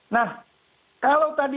nah kalau tadi